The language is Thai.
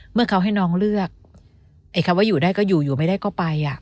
เมื่อเขาให้น้องเลือกไอ้คำว่าอยู่ได้ก็อยู่อยู่ไม่ได้ก็ไปอ่ะ